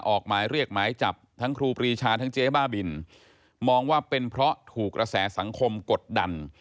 ออกหมายเรียกหมายจับทั้งครูปรีชาทั้งเจ๊บ้าบินมองว่าเป็นเพราะถูกกระแสสังคมกดดัน